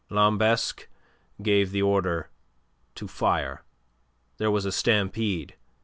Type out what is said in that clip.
Lambesc gave the order to fire. There was a stampede.